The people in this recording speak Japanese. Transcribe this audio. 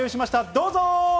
どうぞ。